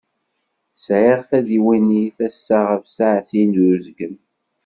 Sεiɣ tadiwennit assa ɣef ssaεtin d uzgen.